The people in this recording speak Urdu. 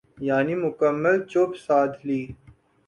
یعنی مکمل چپ سادھ لی۔